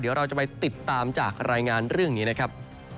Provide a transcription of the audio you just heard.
เดี๋ยวเราจะไปติดตามจากรายงานเรื่องนี้นะครับ